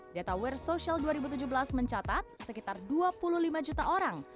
data worl social dua ribu tujuh belas mencatat sekitar dua puluh lima juta orang